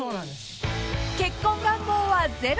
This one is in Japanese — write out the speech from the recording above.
［結婚願望はゼロ］